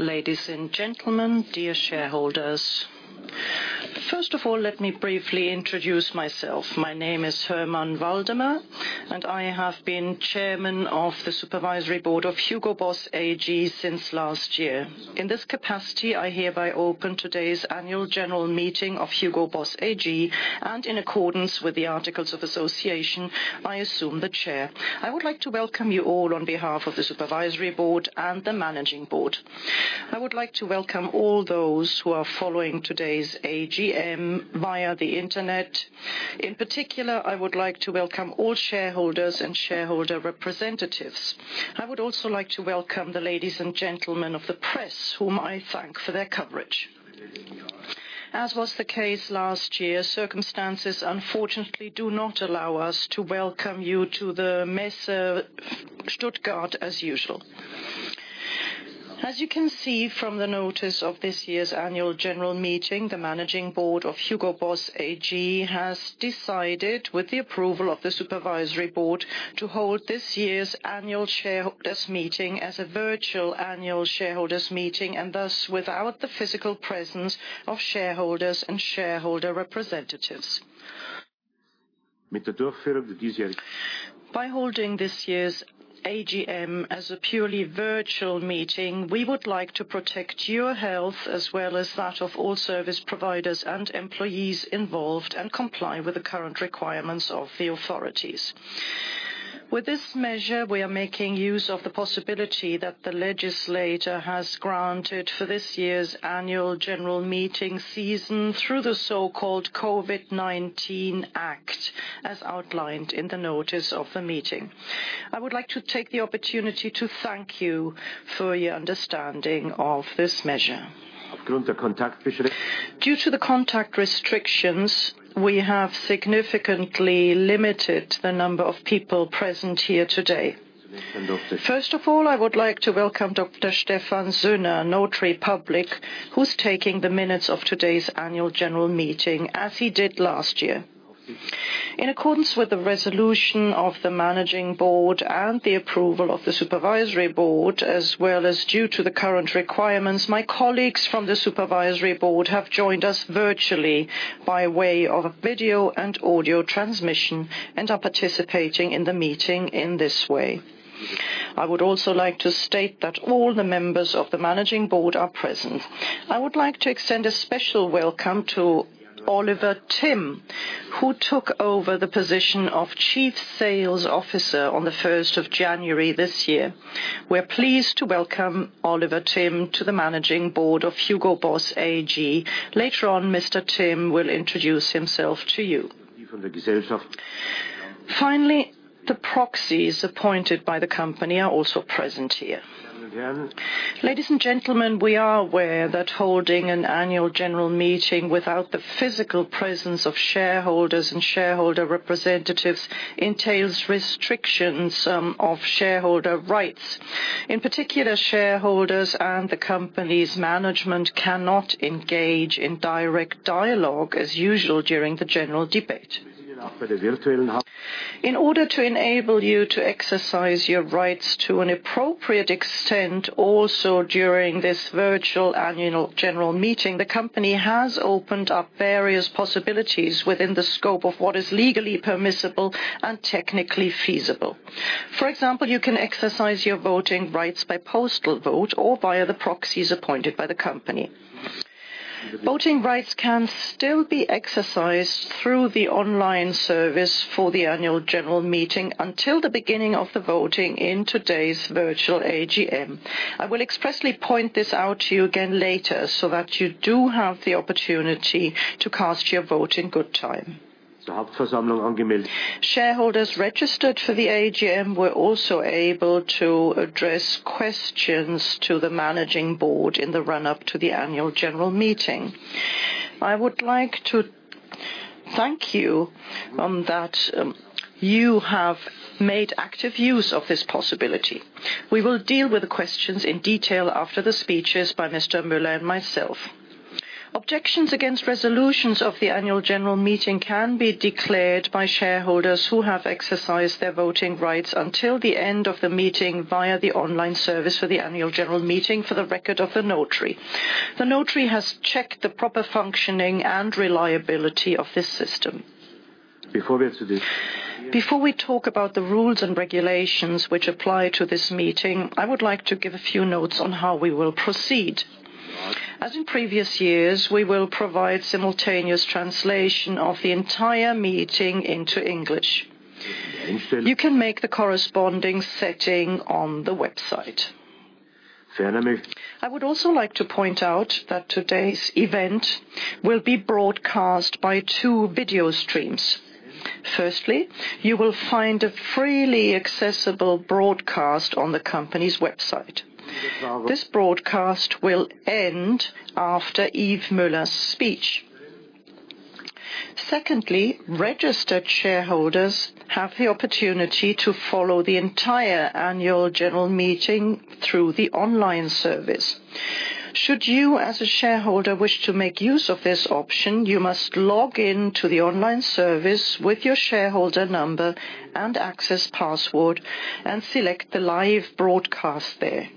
Ladies and gentlemen, dear shareholders. First of all, let me briefly introduce myself. My name is Hermann Waldemer, and I have been Chairman of the Supervisory Board of HUGO BOSS AG since last year. In this capacity, I hereby open today's annual general meeting of HUGO BOSS AG, and in accordance with the articles of association, I assume the chair. I would like to welcome you all on behalf of the supervisory board and the managing board. I would like to welcome all those who are following today's AGM via the internet. In particular, I would like to welcome all shareholders and shareholder representatives. I would also like to welcome the ladies and gentlemen of the press, whom I thank for their coverage. As was the case last year, circumstances unfortunately do not allow us to welcome you to the Messe Stuttgart as usual. As you can see from the notice of this year's annual general meeting, the managing board of HUGO BOSS AG has decided, with the approval of the supervisory board, to hold this year's annual shareholders meeting as a virtual annual shareholders meeting, and thus without the physical presence of shareholders and shareholder representatives. By holding this year's AGM as a purely virtual meeting, we would like to protect your health as well as that of all service providers and employees involved, and comply with the current requirements of the authorities. With this measure, we are making use of the possibility that the legislator has granted for this year's annual general meeting season through the so-called COVID-19 Act, as outlined in the notice of the meeting. I would like to take the opportunity to thank you for your understanding of this measure. Due to the contact restrictions, we have significantly limited the number of people present here today. First of all, I would like to welcome Dr. Stefan Zünner, Notary Public, who's taking the minutes of today's Annual General Meeting as he did last year. In accordance with the resolution of the Management Board and the approval of the Supervisory Board, as well as due to the current requirements, my colleagues from the Supervisory Board have joined us virtually by way of video and audio transmission and are participating in the meeting in this way. I would also like to state that all the members of the Management Board are present. I would like to extend a special welcome to Oliver Timm, who took over the position of Chief Sales Officer on the 1st of January this year. We're pleased to welcome Oliver Timm to the Management Board of HUGO BOSS AG. Later on, Mr. Timm will introduce himself to you. Finally, the proxies appointed by the company are also present here. Ladies and gentlemen, we are aware that holding an annual general meeting without the physical presence of shareholders and shareholder representatives entails restrictions of shareholder rights. In particular, shareholders and the company's management cannot engage in direct dialogue as usual during the general debate. In order to enable you to exercise your rights to an appropriate extent also during this virtual annual general meeting, the company has opened up various possibilities within the scope of what is legally permissible and technically feasible. For example, you can exercise your voting rights by postal vote or via the proxies appointed by the company. Voting rights can still be exercised through the online service for the annual general meeting until the beginning of the voting in today's virtual AGM. I will expressly point this out to you again later so that you do have the opportunity to cast your vote in good time. Shareholders registered for the AGM were also able to address questions to the managing board in the run-up to the annual general meeting. I would like to thank you that you have made active use of this possibility. We will deal with the questions in detail after the speeches by Mr. Müller and myself. Objections against resolutions of the annual general meeting can be declared by shareholders who have exercised their voting rights until the end of the meeting via the online service for the annual general meeting for the record of the notary. The notary has checked the proper functioning and reliability of this system. Before we talk about the rules and regulations which apply to this meeting, I would like to give a few notes on how we will proceed. As in previous years, we will provide simultaneous translation of the entire meeting into English. You can make the corresponding setting on the website. I would also like to point out that today's event will be broadcast by two video streams. Firstly, you will find a freely accessible broadcast on the company's website. This broadcast will end after Yves Müller's speech. Secondly, registered shareholders have the opportunity to follow the entire annual general meeting through the online service. Should you, as a shareholder, wish to make use of this option, you must log in to the online service with your shareholder number and access password and select the live broadcast there.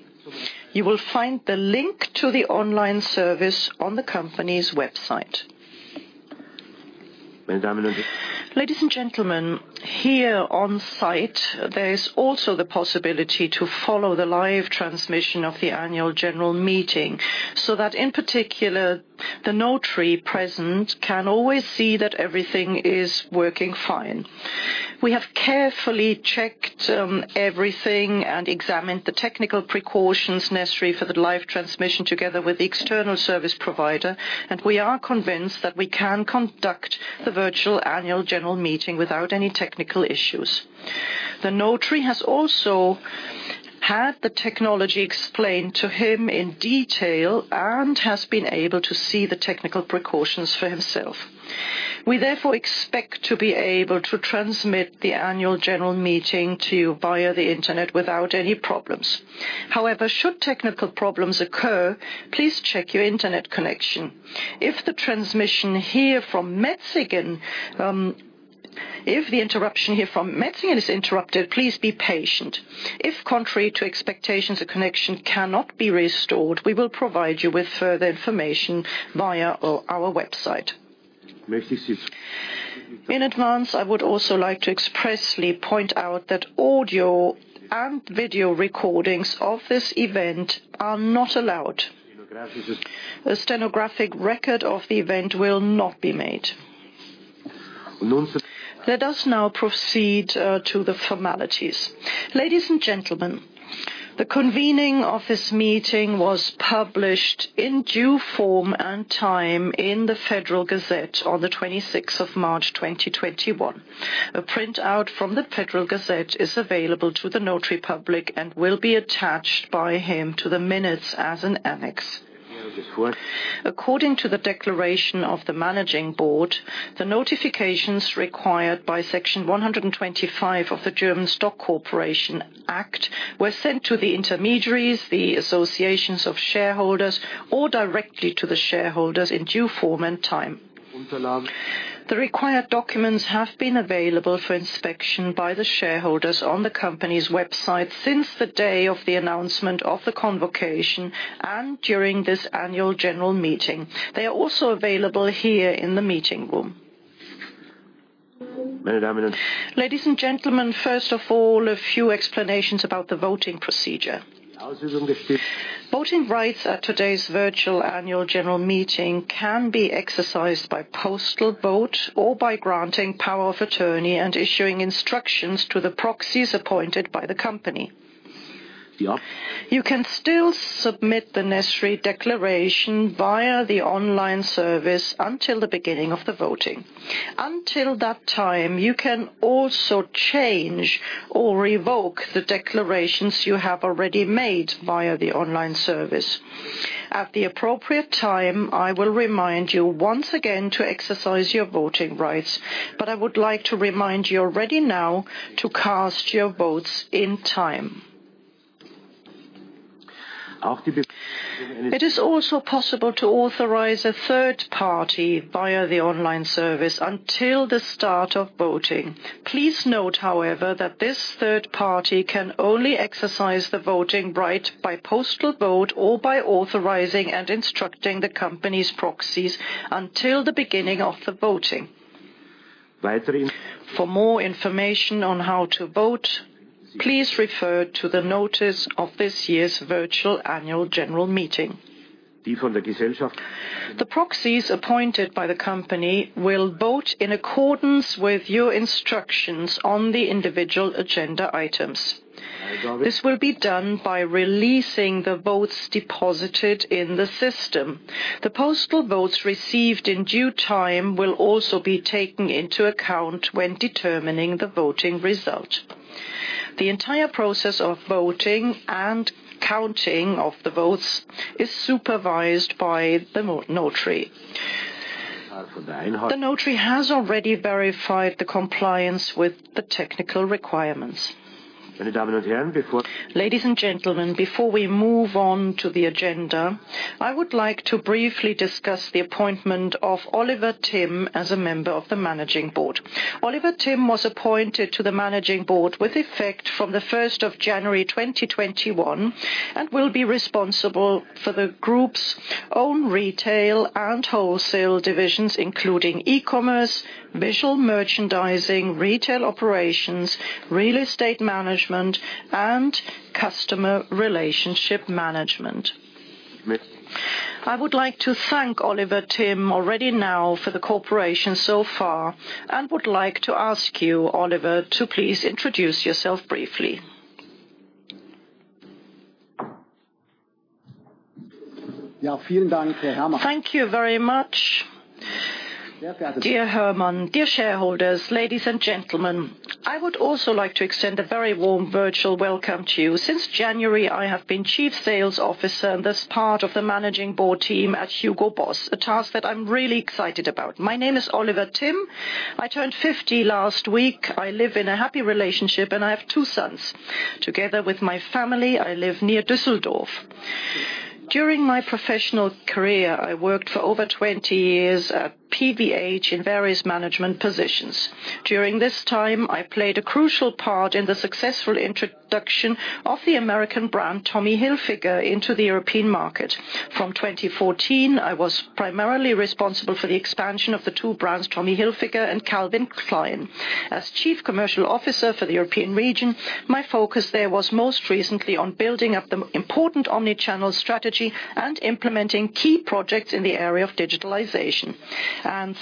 You will find the link to the online service on the company's website. Ladies and gentlemen, here on site, there is also the possibility to follow the live transmission of the annual general meeting, so that in particular, the notary present can always see that everything is working fine. We have carefully checked everything and examined the technical precautions necessary for the live transmission together with the external service provider, and we are convinced that we can conduct the virtual annual general meeting without any technical issues. The notary has also had the technology explained to him in detail and has been able to see the technical precautions for himself. We therefore expect to be able to transmit the annual general meeting to you via the internet without any problems. However, should technical problems occur, please check your internet connection. If the interruption here from Metzingen is interrupted, please be patient. If contrary to expectations, a connection cannot be restored, we will provide you with further information via our website. In advance, I would also like to expressly point out that audio and video recordings of this event are not allowed. A stenographic record of the event will not be made. Let us now proceed to the formalities. Ladies and gentlemen, the convening of this meeting was published in due form and time in the Federal Gazette on the 26th of March 2021. A printout from the Federal Gazette is available to the notary public and will be attached by him to the minutes as an annex. According to the declaration of the managing board, the notifications required by Section 125 of the German Stock Corporation Act were sent to the intermediaries, the associations of shareholders, or directly to the shareholders in due form and time. The required documents have been available for inspection by the shareholders on the company's website since the day of the announcement of the convocation and during this annual general meeting. They are also available here in the meeting room. Ladies and gentlemen, first of all, a few explanations about the voting procedure. Voting rights at today's virtual annual general meeting can be exercised by postal vote or by granting power of attorney and issuing instructions to the proxies appointed by the company. You can still submit the necessary declaration via the online service until the beginning of the voting. Until that time, you can also change or revoke the declarations you have already made via the online service. At the appropriate time, I will remind you once again to exercise your voting rights, but I would like to remind you already now to cast your votes in time. It is also possible to authorize a third party via the online service until the start of voting. Please note, however, that this third party can only exercise the voting right by postal vote or by authorizing and instructing the company's proxies until the beginning of the voting. For more information on how to vote, please refer to the notice of this year's virtual annual general meeting. The proxies appointed by the company will vote in accordance with your instructions on the individual agenda items. This will be done by releasing the votes deposited in the system. The postal votes received in due time will also be taken into account when determining the voting result. The entire process of voting and counting of the votes is supervised by the notary. The notary has already verified the compliance with the technical requirements. Ladies and gentlemen, before we move on to the agenda, I would like to briefly discuss the appointment of Oliver Timm as a member of the managing board. Oliver Timm was appointed to the managing board with effect from the 1st of January 2021 and will be responsible for the group's own retail and wholesale divisions, including e-commerce, visual merchandising, retail operations, real estate management, and customer relationship management. I would like to thank Oliver Timm already now for the cooperation so far and would like to ask you, Oliver, to please introduce yourself briefly. Thank you very much. Dear Hermann, dear shareholders, ladies and gentlemen, I would also like to extend a very warm virtual welcome to you. Since January, I have been Chief Sales Officer and thus part of the managing board team at HUGO BOSS, a task that I'm really excited about. My name is Oliver Timm. I turned 50 last week. I live in a happy relationship, and I have two sons. Together with my family, I live near Düsseldorf. During my professional career, I worked for over 20 years at PVH in various management positions. During this time, I played a crucial part in the successful introduction of the American brand Tommy Hilfiger into the European market. From 2014, I was primarily responsible for the expansion of the two brands, Tommy Hilfiger and Calvin Klein. As chief commercial officer for the European region, my focus there was most recently on building up the important omni-channel strategy and implementing key projects in the area of digitalization.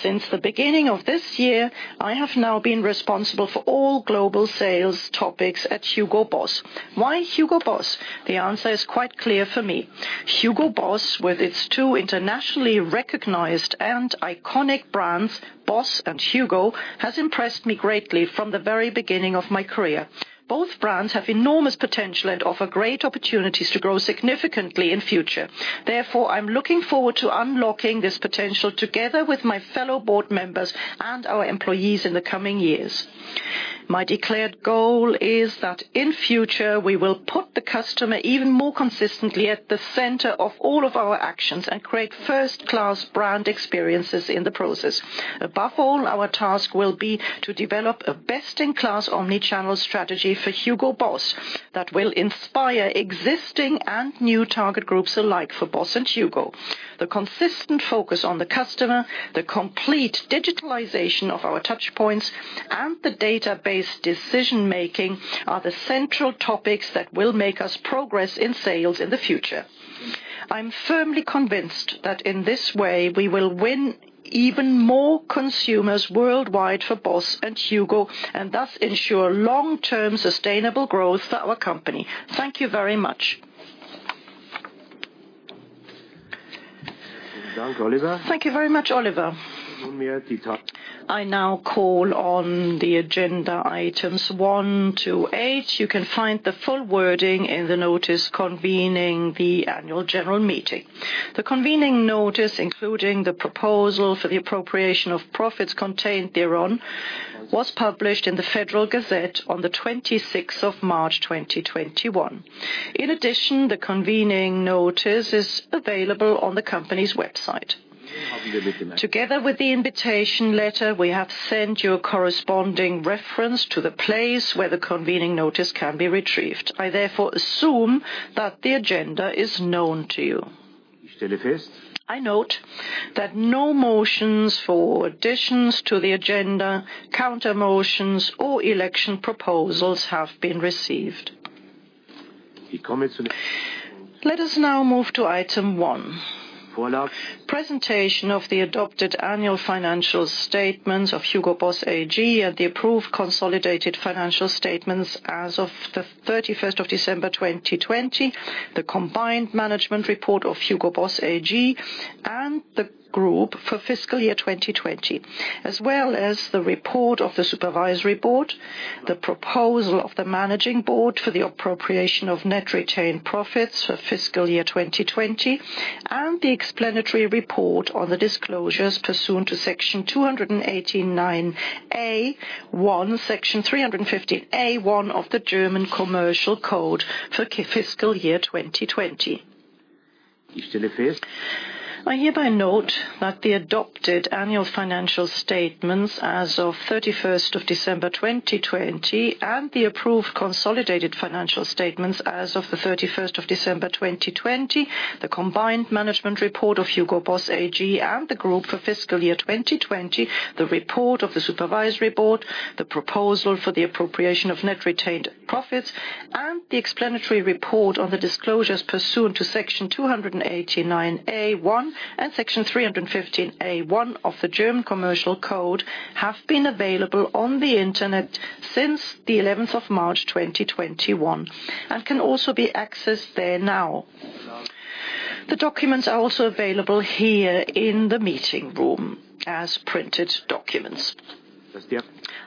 Since the beginning of this year, I have now been responsible for all global sales topics at HUGO BOSS. Why HUGO BOSS? The answer is quite clear for me. HUGO BOSS, with its two internationally recognized and iconic brands, BOSS and HUGO, has impressed me greatly from the very beginning of my career. Both brands have enormous potential and offer great opportunities to grow significantly in future. Therefore, I'm looking forward to unlocking this potential together with my fellow board members and our employees in the coming years. My declared goal is that in future, we will put the customer even more consistently at the center of all of our actions and create first-class brand experiences in the process. Above all, our task will be to develop a best-in-class omni-channel strategy for HUGO BOSS that will inspire existing and new target groups alike for BOSS and HUGO. The consistent focus on the customer, the complete digitalization of our touchpoints, and the database decision-making are the central topics that will make us progress in sales in the future. I'm firmly convinced that in this way, we will win even more consumers worldwide for BOSS and HUGO, and thus ensure long-term sustainable growth for our company. Thank you very much. Thank you very much, Oliver. I now call on the agenda items one to eight. You can find the full wording in the notice convening the annual general meeting. The convening notice, including the proposal for the appropriation of profits contained thereon, was published in the Federal Gazette on the 26th of March 2021. In addition, the convening notice is available on the company's website. Together with the invitation letter, we have sent you a corresponding reference to the place where the convening notice can be retrieved. I therefore assume that the agenda is known to you. I note that no motions for additions to the agenda, counter motions or election proposals have been received. Let us now move to item one. Presentation of the adopted annual financial statements of HUGO BOSS AG and the approved consolidated financial statements as of the 31st of December 2020. The combined management report of HUGO BOSS AG and the Group for fiscal year 2020. As well as the report of the Supervisory Board, the proposal of the Managing Board for the appropriation of net retained profits for fiscal year 2020, and the explanatory report on the disclosures pursuant to Section 289a(1), Section 315a(1) of the German Commercial Code for fiscal year 2020. I hereby note that the adopted annual financial statements as of 31st of December 2020 and the approved consolidated financial statements as of the 31st of December 2020, the combined management report of HUGO BOSS AG and the Group for fiscal year 2020, the report of the Supervisory Board, the proposal for the appropriation of net retained profits and the explanatory report on the disclosures pursuant to Section 289a(1) and Section 315a(1) of the German Commercial Code have been available on the internet since the 11th of March 2021, and can also be accessed there now. The documents are also available here in the meeting room as printed documents.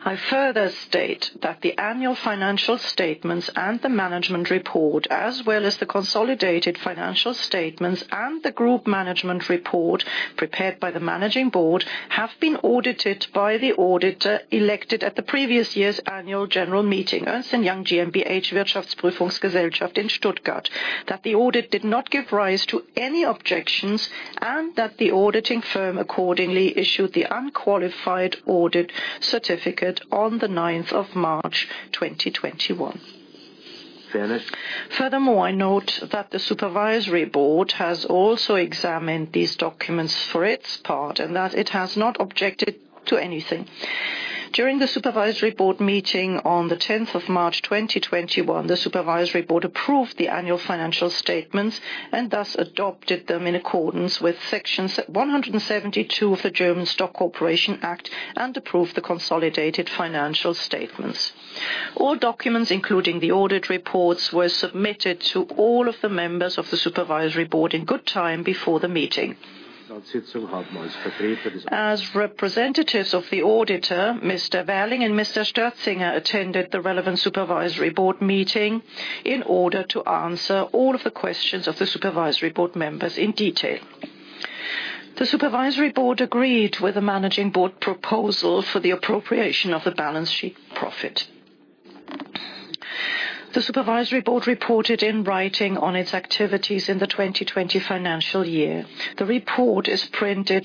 I further state that the annual financial statements and the management report, as well as the consolidated financial statements and the group management report prepared by the Management Board, have been audited by the auditor elected at the previous year's annual general meeting, Ernst & Young GmbH, in Stuttgart, that the audit did not give rise to any objections, and that the auditing firm accordingly issued the unqualified audit certificate on the 9th of March 2021. Furthermore, I note that the Supervisory Board has also examined these documents for its part and that it has not objected to anything. During the Supervisory Board meeting on the 10th of March 2021, the Supervisory Board approved the annual financial statements and thus adopted them in accordance with Section 172 of the German Stock Corporation Act, and approved the consolidated financial statements. All documents, including the audit reports, were submitted to all of the members of the Supervisory Board in good time before the meeting. As representatives of the auditor, Mr. Werling and Mr. Störzinger attended the relevant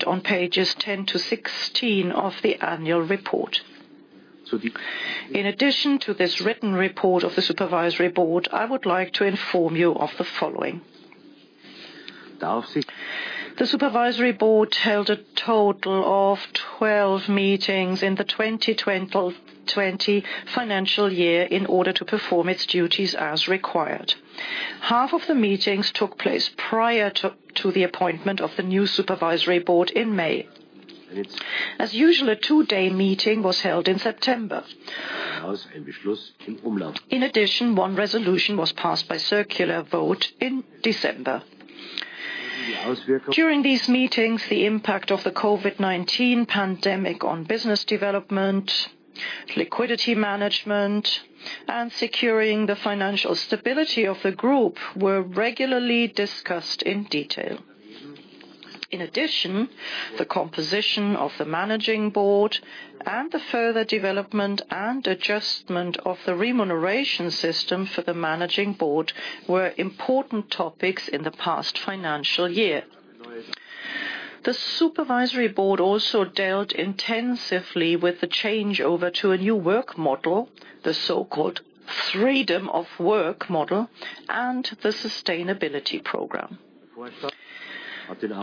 Supervisory Board meeting in order to answer all of the questions of the Supervisory Board members in detail. The Supervisory Board agreed with the Managing Board proposal for the appropriation of the balance sheet profit. The Supervisory Board reported in writing on its activities in the 2020 financial year. The report is printed on pages 10 to 16 of the Annual Report. In addition to this written report of the Supervisory Board, I would like to inform you of the following. The Supervisory Board held a total of 12 meetings in the 2020 financial year in order to perform its duties as required. Half of the meetings took place prior to the appointment of the new supervisory board in May. As usual, a two-day meeting was held in September. In addition, one resolution was passed by circular vote in December. During these meetings, the impact of the COVID-19 pandemic on business development, liquidity management, and securing the financial stability of the group were regularly discussed in detail. In addition, the composition of the managing board and the further development and adjustment of the remuneration system for the managing board were important topics in the past financial year. The supervisory board also dealt intensively with the changeover to a new work model, the so-called Threedom of Work model, and the sustainability program.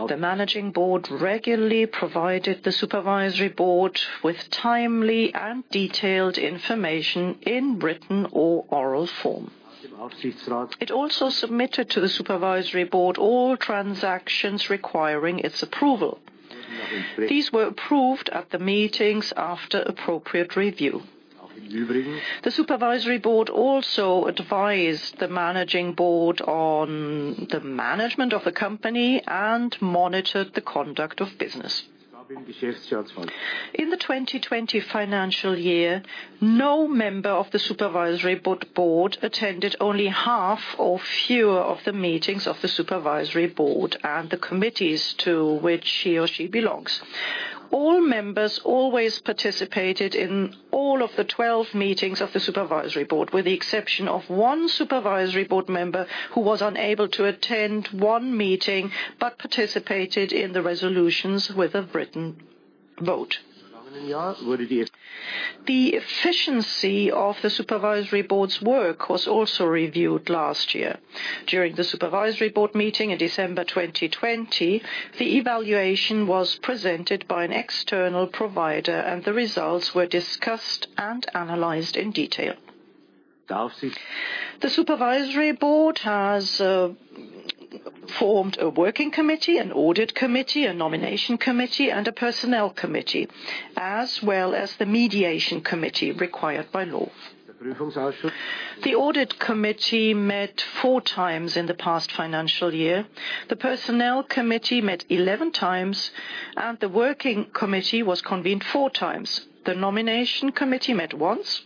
The managing board regularly provided the supervisory board with timely and detailed information in written or oral form. It also submitted to the supervisory board all transactions requiring its approval. These were approved at the meetings after appropriate review. The supervisory board also advised the managing board on the management of the company and monitored the conduct of business. In the 2020 financial year, no member of the supervisory board attended only half or fewer of the meetings of the supervisory board and the committees to which he or she belongs. All members always participated in all of the 12 meetings of the supervisory board, with the exception of one supervisory board member who was unable to attend one meeting but participated in the resolutions with a written vote. The efficiency of the supervisory board's work was also reviewed last year. During the supervisory board meeting in December 2020, the evaluation was presented by an external provider, and the results were discussed and analyzed in detail. The supervisory board has formed a working committee, an audit committee, a nomination committee, and a personnel committee, as well as the mediation committee required by law. The audit committee met four times in the past financial year. The personnel committee met 11 times, and the working committee was convened four times. The nomination committee met once.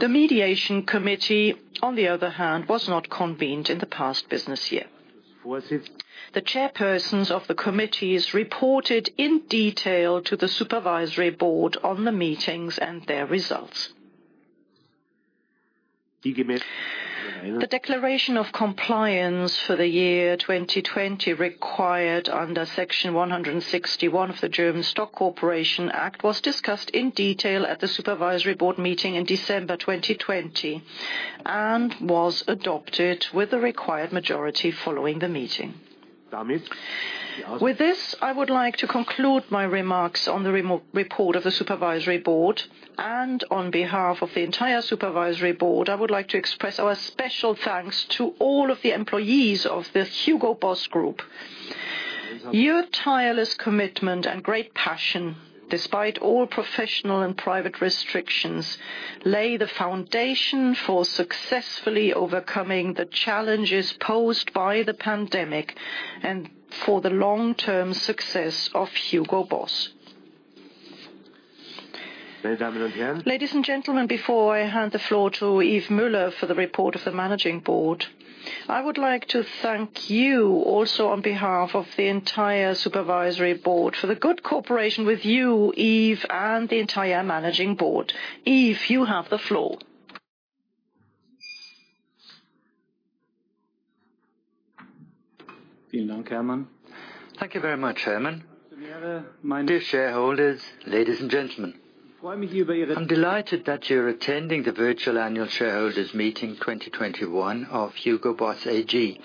The mediation committee, on the other hand, was not convened in the past business year. The chairpersons of the committees reported in detail to the supervisory board on the meetings and their results. The declaration of compliance for the year 2020, required under Section 161 of the German Stock Corporation Act, was discussed in detail at the supervisory board meeting in December 2020 and was adopted with the required majority following the meeting. With this, I would like to conclude my remarks on the report of the Supervisory Board, and on behalf of the entire Supervisory Board, I would like to express our special thanks to all of the employees of the HUGO BOSS Group. Your tireless commitment and great passion, despite all professional and private restrictions, lay the foundation for successfully overcoming the challenges posed by the pandemic and for the long-term success of HUGO BOSS. Ladies and gentlemen, before I hand the floor to Yves Müller for the report of the Managing Board, I would like to thank you also on behalf of the entire Supervisory Board for the good cooperation with you, Yves, and the entire Managing Board. Yves, you have the floor. Thank you very much, Chairman. Dear shareholders, ladies and gentlemen. I'm delighted that you're attending the virtual annual shareholders' meeting 2021 of HUGO BOSS AG.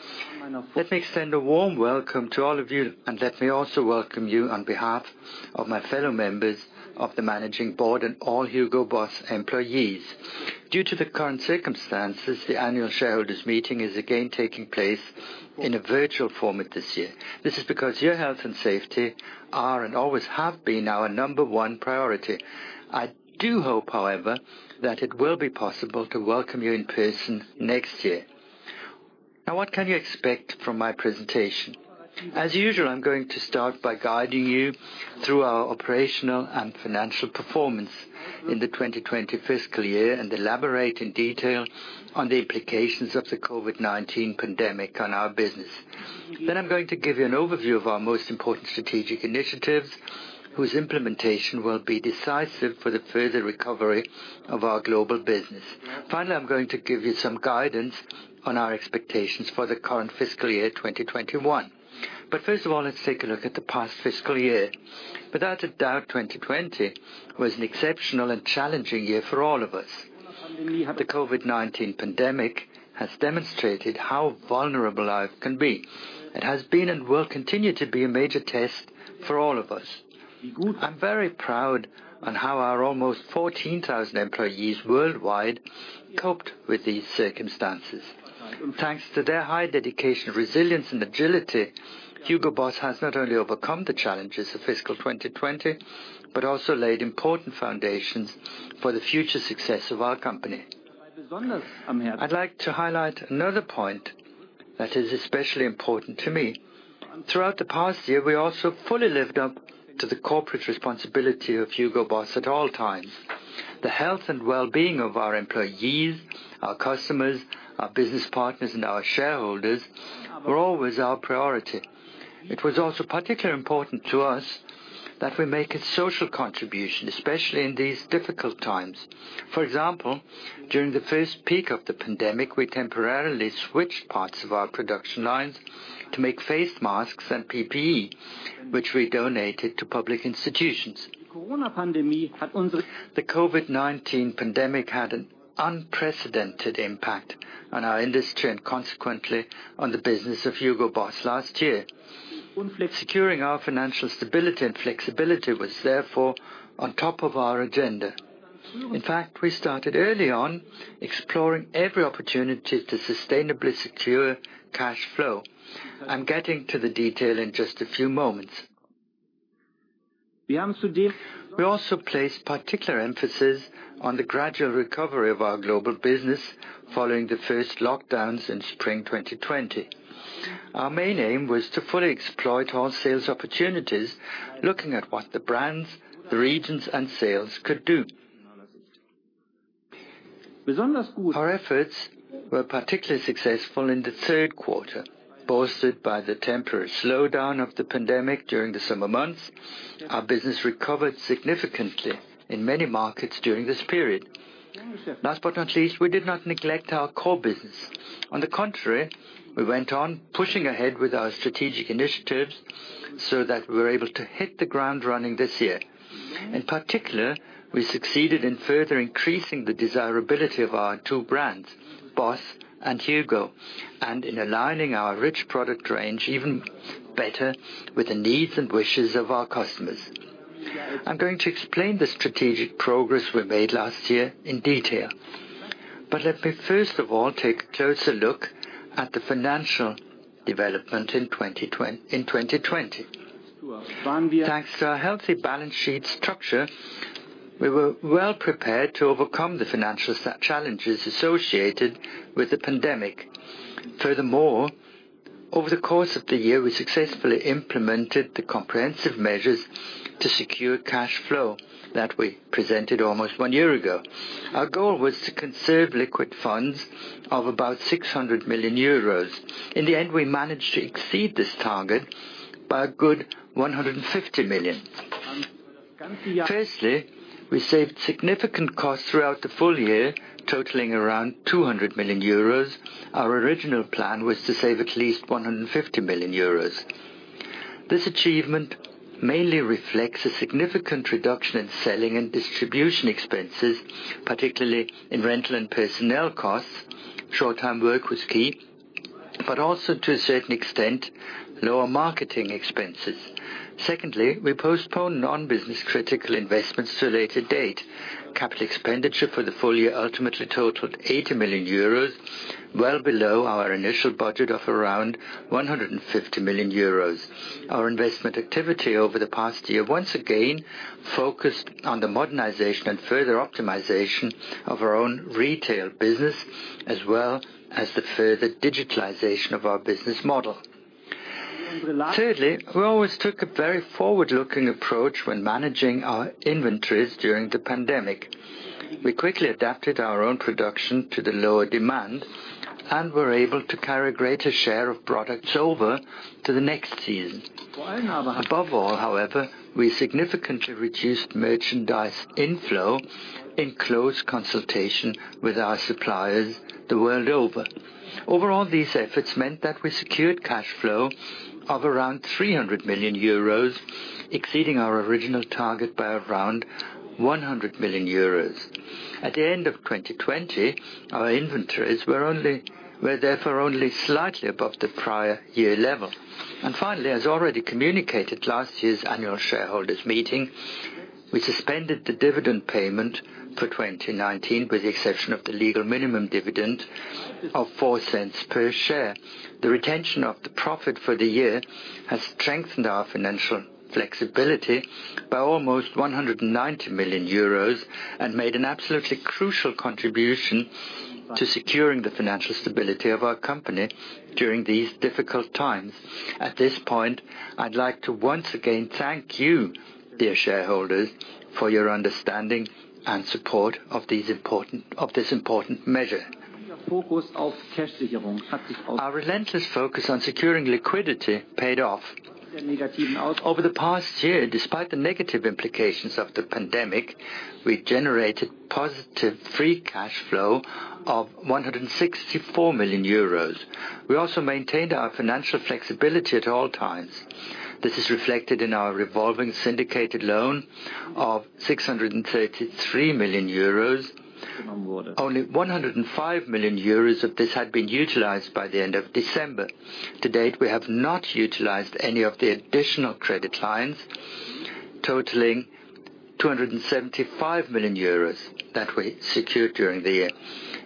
Let me extend a warm welcome to all of you, and let me also welcome you on behalf of my fellow members of the Managing Board and all HUGO BOSS employees. Due to the current circumstances, the annual shareholders' meeting is again taking place in a virtual format this year. This is because your health and safety are, and always have been, our number one priority. I do hope, however, that it will be possible to welcome you in person next year. What can you expect from my presentation? As usual, I am going to start by guiding you through our operational and financial performance in the 2020 fiscal year and elaborate in detail on the implications of the COVID-19 pandemic on our business. I am going to give you an overview of our most important strategic initiatives, whose implementation will be decisive for the further recovery of our global business. Finally, I am going to give you some guidance on our expectations for the current fiscal year 2021. First of all, let us take a look at the past fiscal year. Without a doubt, 2020 was an exceptional and challenging year for all of us. The COVID-19 pandemic has demonstrated how vulnerable life can be. It has been and will continue to be a major test for all of us. I am very proud on how our almost 14,000 employees worldwide coped with these circumstances. Thanks to their high dedication, resilience, and agility, HUGO BOSS has not only overcome the challenges of fiscal 2020, but also laid important foundations for the future success of our company. I'd like to highlight another point that is especially important to me. Throughout the past year, we also fully lived up to the corporate responsibility of HUGO BOSS at all times. The health and well-being of our employees, our customers, our business partners, and our shareholders, were always our priority. It was also particularly important to us that we make a social contribution, especially in these difficult times. For example, during the first peak of the pandemic, we temporarily switched parts of our production lines to make face masks and PPE, which we donated to public institutions. The COVID-19 pandemic had an unprecedented impact on our industry and consequently on the business of HUGO BOSS last year. Securing our financial stability and flexibility was therefore on top of our agenda. In fact, we started early on exploring every opportunity to sustainably secure cash flow. I'm getting to the detail in just a few moments. We also placed particular emphasis on the gradual recovery of our global business following the first lockdowns in spring 2020. Our main aim was to fully exploit our sales opportunities, looking at what the brands, the regions, and sales could do. Our efforts were particularly successful in the third quarter, bolstered by the temporary slowdown of the pandemic during the summer months. Our business recovered significantly in many markets during this period. Last but not least, we did not neglect our core business. On the contrary, we went on pushing ahead with our strategic initiatives so that we were able to hit the ground running this year. In particular, we succeeded in further increasing the desirability of our two brands, BOSS and HUGO, and in aligning our rich product range even better with the needs and wishes of our customers. I'm going to explain the strategic progress we made last year in detail. Let me first of all take a closer look at the financial development in 2020. Thanks to our healthy balance sheet structure, we were well prepared to overcome the financial challenges associated with the pandemic. Furthermore, over the course of the year, we successfully implemented the comprehensive measures to secure cash flow that we presented almost one year ago. Our goal was to conserve liquid funds of about 600 million euros. In the end, we managed to exceed this target by a good 150 million. Firstly, we saved significant costs throughout the full year, totaling around 200 million euros. Our original plan was to save at least 150 million euros. This achievement mainly reflects a significant reduction in selling and distribution expenses, particularly in rental and personnel costs. Short-term work was key, but also to a certain extent, lower marketing expenses. Secondly, we postponed non-business critical investments to a later date. Capital expenditure for the full year ultimately totaled 80 million euros, well below our initial budget of around 150 million euros. Our investment activity over the past year, once again, focused on the modernization and further optimization of our own retail business, as well as the further digitalization of our business model. Thirdly, we always took a very forward-looking approach when managing our inventories during the pandemic. We quickly adapted our own production to the lower demand and were able to carry a greater share of products over to the next season. Above all, however, we significantly reduced merchandise inflow in close consultation with our suppliers the world over. Overall, these efforts meant that we secured cash flow of around 300 million euros, exceeding our original target by around 100 million euros. At the end of 2020, our inventories were therefore only slightly above the prior year level. Finally, as already communicated last year's annual shareholders' meeting, we suspended the dividend payment for 2019, with the exception of the legal minimum dividend of 0.04 per share. The retention of the profit for the year has strengthened our financial flexibility by almost 190 million euros and made an absolutely crucial contribution to securing the financial stability of our company during these difficult times. At this point, I'd like to once again thank you, dear shareholders, for your understanding and support of this important measure. Our relentless focus on securing liquidity paid off. Over the past year, despite the negative implications of the pandemic, we generated positive free cash flow of 164 million euros. We also maintained our financial flexibility at all times. This is reflected in our revolving syndicated loan of 633 million euros. Only 105 million euros of this had been utilized by the end of December. To date, we have not utilized any of the additional credit lines, totaling 275 million euros that we secured during the year.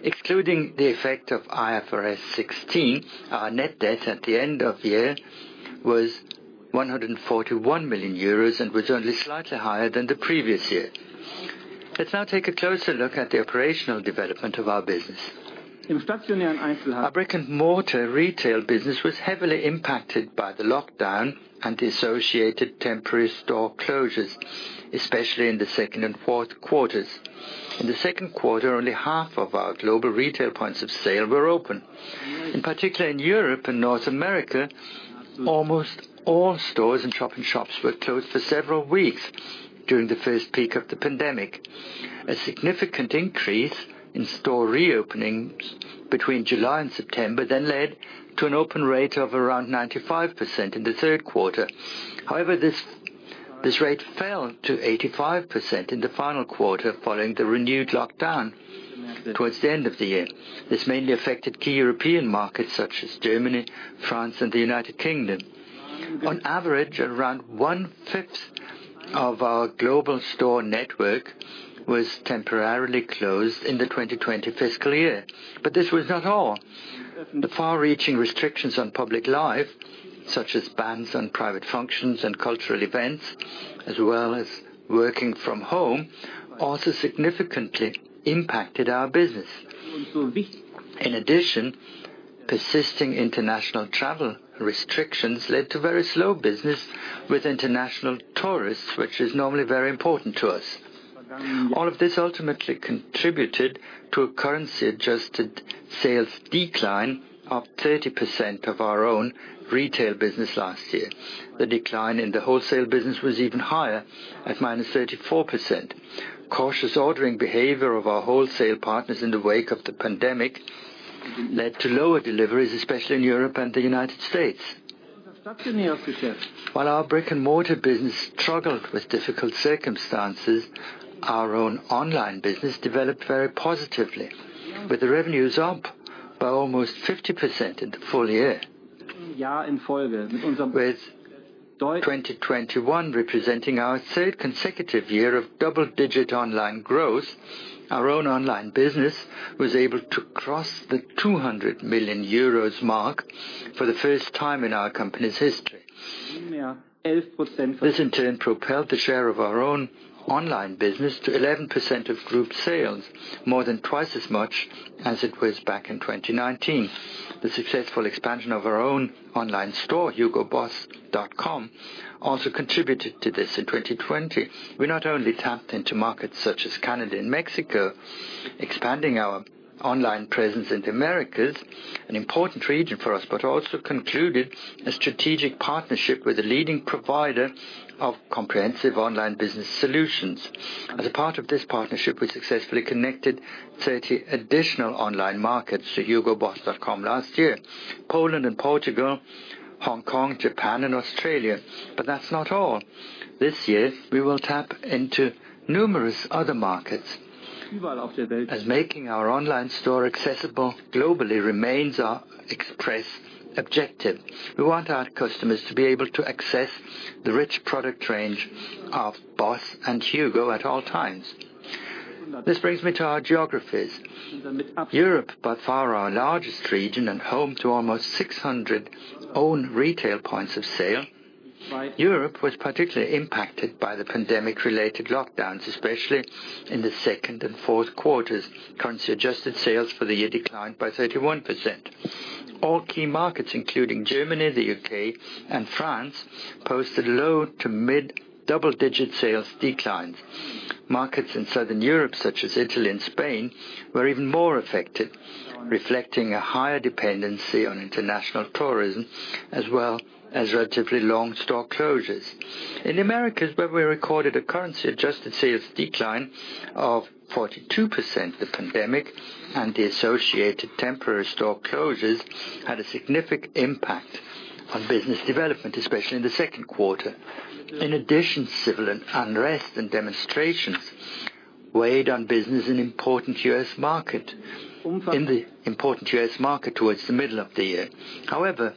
Excluding the effect of IFRS 16, our net debt at the end of the year was 141 million euros and was only slightly higher than the previous year. Let's now take a closer look at the operational development of our business. Our brick-and-mortar retail business was heavily impacted by the lockdown and associated temporary store closures, especially in the second and fourth quarters. In the second quarter, only half of our global retail points of sale were open. In particular, in Europe and North America, almost all stores and shop-in-shops were closed for several weeks during the first peak of the pandemic. A significant increase in store reopenings between July and September led to an open rate of around 95% in the third quarter. However, this rate fell to 85% in the final quarter following the renewed lockdown towards the end of the year. This mainly affected key European markets such as Germany, France, and the U.K.. On average, around one-fifth of our global store network was temporarily closed in the 2020 fiscal year. This was not all. The far-reaching restrictions on public life, such as bans on private functions and cultural events, as well as working from home, also significantly impacted our business. Persisting international travel restrictions led to very slow business with international tourists, which is normally very important to us. All of this ultimately contributed to a currency-adjusted sales decline of 30% of our own retail business last year. The decline in the wholesale business was even higher at -34%. Cautious ordering behavior of our wholesale partners in the wake of the pandemic led to lower deliveries, especially in Europe and the United States. While our brick-and-mortar business struggled with difficult circumstances, our own online business developed very positively, with the revenues up by almost 50% in the full year. With 2021 representing our third consecutive year of double-digit online growth, our own online business was able to cross the 200 million euros mark for the first time in our company's history. This, in turn, propelled the share of our own online business to 11% of group sales, more than twice as much as it was back in 2019. The successful expansion of our own online store, hugoboss.com, also contributed to this in 2020. We not only tapped into markets such as Canada and Mexico, expanding our online presence in the Americas, an important region for us, but also concluded a strategic partnership with a leading provider of comprehensive online business solutions. As a part of this partnership, we successfully connected 30 additional online markets to hugoboss.com last year. Poland and Portugal, Hong Kong, Japan, and Australia. That's not all. This year, we will tap into numerous other markets, as making our online store accessible globally remains our express objective. We want our customers to be able to access the rich product range of BOSS and HUGO at all times. This brings me to our geographies. Europe, by far our largest region and home to almost 600 own retail points of sale. Europe was particularly impacted by the pandemic-related lockdowns, especially in the second and fourth quarters. Currency-adjusted sales for the year declined by 31%. All key markets, including Germany, the U.K., and France, posted low to mid double-digit sales declines. Markets in Southern Europe, such as Italy and Spain, were even more affected, reflecting a higher dependency on international tourism, as well as relatively long store closures. In the Americas, where we recorded a currency-adjusted sales decline of 42%, the pandemic and the associated temporary store closures had a significant impact on business development, especially in the second quarter. In addition, civil unrest and demonstrations weighed on business in the important U.S. market towards the middle of the year. However,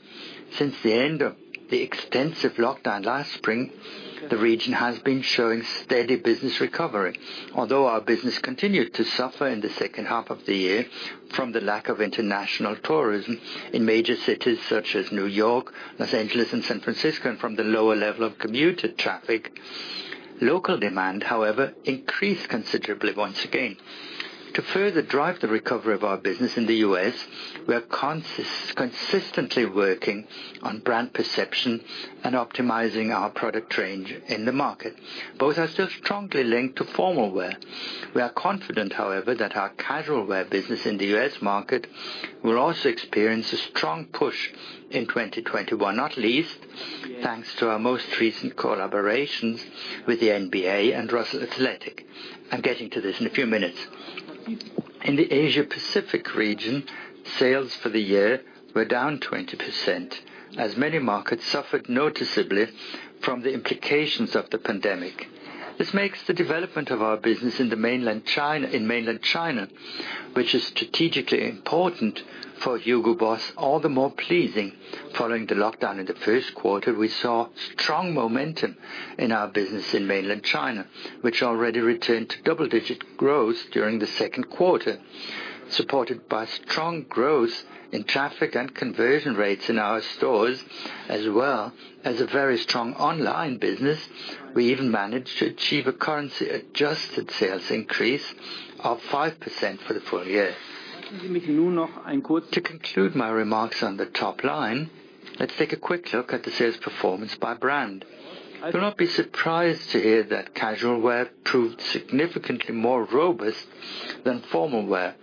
since the end of the extensive lockdown last spring, the region has been showing steady business recovery. Although our business continued to suffer in the second half of the year from the lack of international tourism in major cities such as New York, Los Angeles, and San Francisco, and from the lower level of commuter traffic. Local demand, however, increased considerably once again. To further drive the recovery of our business in the U.S., we are consistently working on brand perception and optimizing our product range in the market. Both are still strongly linked to formal wear. We are confident, however, that our casual wear business in the U.S. market will also experience a strong push in 2021, not least thanks to our most recent collaborations with the NBA and Russell Athletic. I'm getting to this in a few minutes. In the Asia Pacific region, sales for the year were down 20%, as many markets suffered noticeably from the implications of the pandemic. This makes the development of our business in Mainland China, which is strategically important for HUGO BOSS, all the more pleasing. Following the lockdown in the first quarter, we saw strong momentum in our business in Mainland China, which already returned to double-digit growth during the second quarter. Supported by strong growth in traffic and conversion rates in our stores, as well as a very strong online business, we even managed to achieve a currency-adjusted sales increase of 5% for the full year. To conclude my remarks on the top line, let's take a quick look at the sales performance by brand. You will not be surprised to hear that casual wear proved significantly more robust than formal wear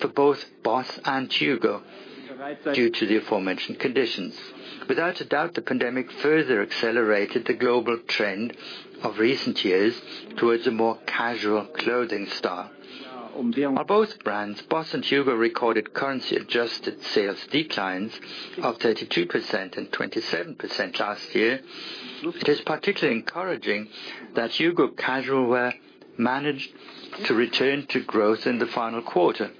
for both BOSS and HUGO due to the aforementioned conditions. Without a doubt, the pandemic further accelerated the global trend of recent years towards a more casual clothing style. While both brands, BOSS and HUGO, recorded currency-adjusted sales declines of 32% and 27% last year, it is particularly encouraging that HUGO casual wear managed to return to growth in the final quarter.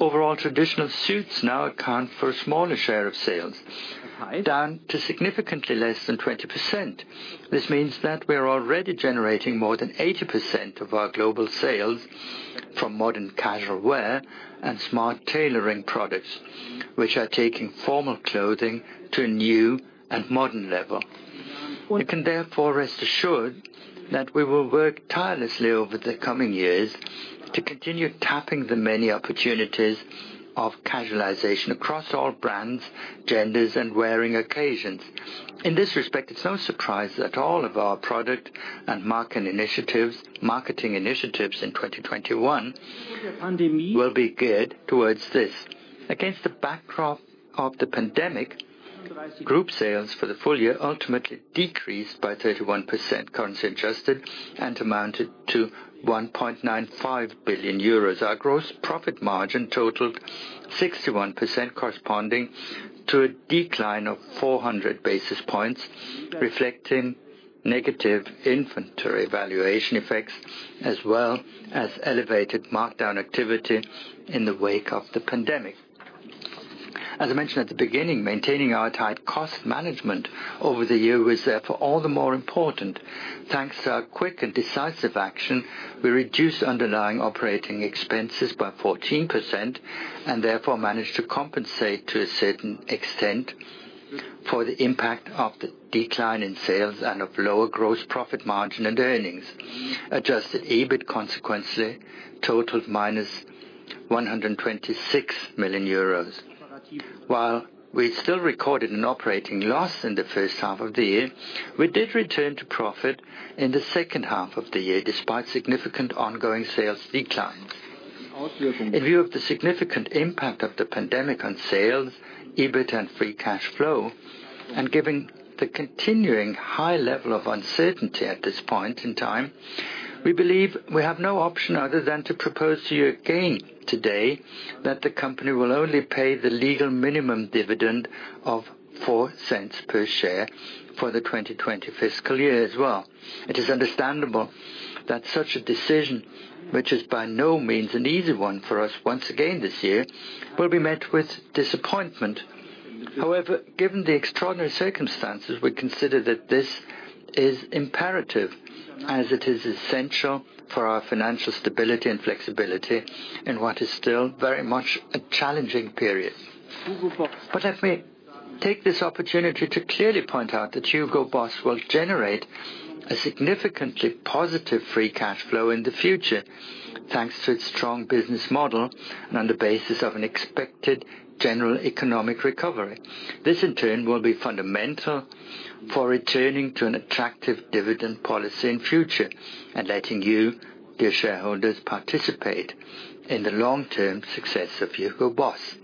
Overall, traditional suits now account for a smaller share of sales, down to significantly less than 20%. This means that we are already generating more than 80% of our global sales from modern casual wear and smart tailoring products, which are taking formal clothing to a new and modern level. You can therefore rest assured that we will work tirelessly over the coming years to continue tapping the many opportunities of casualization across all brands, genders, and wearing occasions. In this respect, it's no surprise that all of our product and marketing initiatives in 2021 will be geared towards this. Against the backdrop of the pandemic, Group sales for the full year ultimately decreased by 31%, currency adjusted, and amounted to 1.95 billion euros. Our gross profit margin totaled 61%, corresponding to a decline of 400 basis points, reflecting negative inventory valuation effects, as well as elevated markdown activity in the wake of the pandemic. As I mentioned at the beginning, maintaining our tight cost management over the year was therefore all the more important. Thanks to our quick and decisive action, we reduced underlying operating expenses by 14% and therefore managed to compensate to a certain extent for the impact of the decline in sales and of lower gross profit margin and earnings. Adjusted EBIT consequently totaled minus 126 million euros. While we still recorded an operating loss in the first half of the year, we did return to profit in the second half of the year, despite significant ongoing sales declines. In view of the significant impact of the pandemic on sales, EBIT and free cash flow, and given the continuing high level of uncertainty at this point in time, we believe we have no option other than to propose to you again today that the company will only pay the legal minimum dividend of 0.04 per share for the 2020 fiscal year as well. It is understandable that such a decision, which is by no means an easy one for us once again this year, will be met with disappointment. However, given the extraordinary circumstances, we consider that this is imperative, as it is essential for our financial stability and flexibility in what is still very much a challenging period. Let me take this opportunity to clearly point out that HUGO BOSS will generate a significantly positive free cash flow in the future, thanks to its strong business model and on the basis of an expected general economic recovery. This, in turn, will be fundamental for returning to an attractive dividend policy in future and letting you, dear shareholders, participate in the long-term success of HUGO BOSS.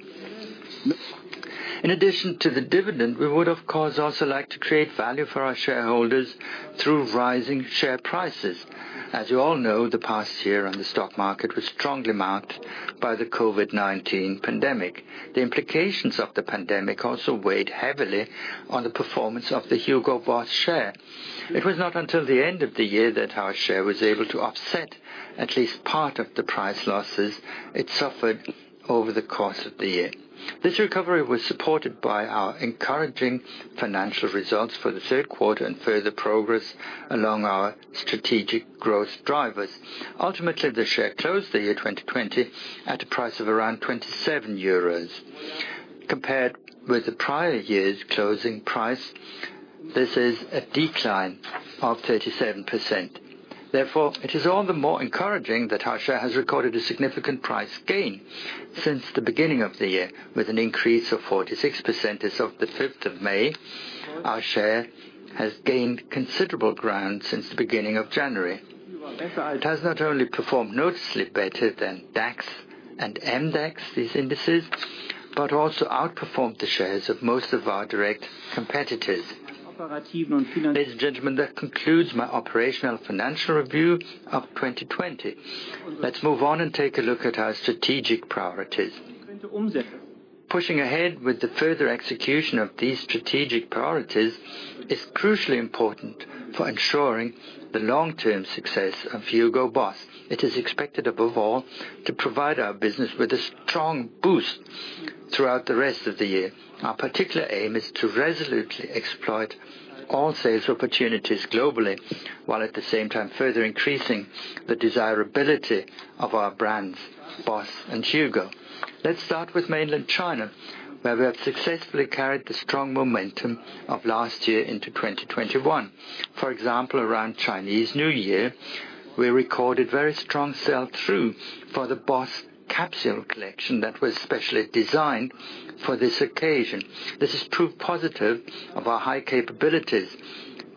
In addition to the dividend, we would, of course, also like to create value for our shareholders through rising share prices. As you all know, the past year on the stock market was strongly marked by the COVID-19 pandemic. The implications of the pandemic also weighed heavily on the performance of the HUGO BOSS share. It was not until the end of the year that our share was able to offset at least part of the price losses it suffered over the course of the year. This recovery was supported by our encouraging financial results for the third quarter and further progress along our strategic growth drivers. Ultimately, the share closed the year 2020 at a price of around 27 euros. Compared with the prior year's closing price, this is a decline of 37%. Therefore, it is all the more encouraging that our share has recorded a significant price gain since the beginning of the year, with an increase of 46% as of the 5th of May. Our share has gained considerable ground since the beginning of January. It has not only performed noticeably better than DAX and MDAX, these indices, but also outperformed the shares of most of our direct competitors. Ladies and gentlemen, that concludes my operational financial review of 2020. Let's move on and take a look at our strategic priorities. Pushing ahead with the further execution of these strategic priorities is crucially important for ensuring the long-term success of HUGO BOSS. It is expected, above all, to provide our business with a strong boost throughout the rest of the year. Our particular aim is to resolutely exploit all sales opportunities globally, while at the same time further increasing the desirability of our brands, BOSS and HUGO. Let's start with Mainland China, where we have successfully carried the strong momentum of last year into 2021. For example, around Chinese New Year, we recorded very strong sell-through for the BOSS capsule collection that was specially designed for this occasion. This has proved positive of our high capabilities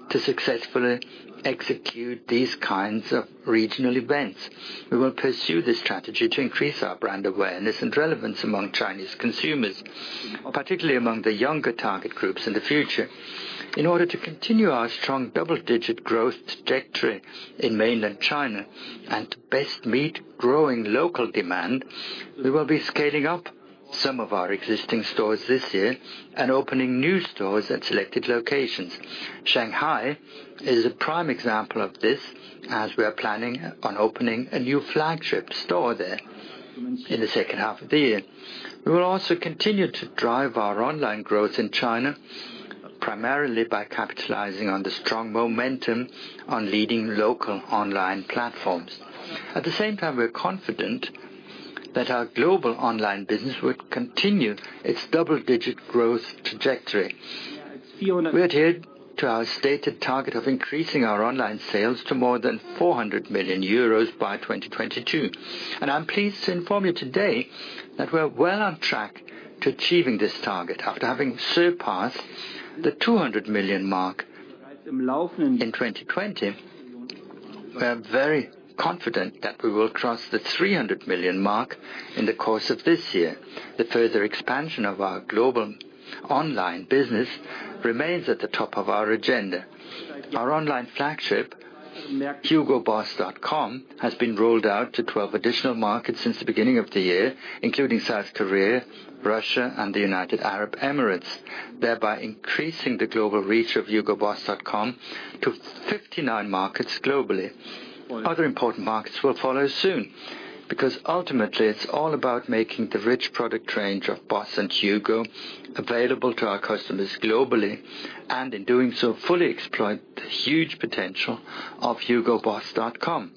to successfully execute these kinds of regional events. We will pursue this strategy to increase our brand awareness and relevance among Chinese consumers, particularly among the younger target groups in the future. In order to continue our strong double-digit growth trajectory in Mainland China and to best meet growing local demand, we will be scaling up some of our existing stores this year and opening new stores at selected locations. Shanghai is a prime example of this, as we are planning on opening a new flagship store there in the second half of the year. We will also continue to drive our online growth in China, primarily by capitalizing on the strong momentum on leading local online platforms. At the same time, we are confident that our global online business will continue its double-digit growth trajectory. We adhere to our stated target of increasing our online sales to more than 400 million euros by 2022, and I'm pleased to inform you today that we're well on track to achieving this target. After having surpassed the 200 million mark in 2020, we are very confident that we will cross the 300 million mark in the course of this year. The further expansion of our global online business remains at the top of our agenda. Our online flagship, hugoboss.com, has been rolled out to 12 additional markets since the beginning of the year, including South Korea, Russia, and the United Arab Emirates, thereby increasing the global reach of hugoboss.com to 59 markets globally. Other important markets will follow soon, because ultimately, it's all about making the rich product range of BOSS and HUGO available to our customers globally, and in doing so, fully exploit the huge potential of hugoboss.com.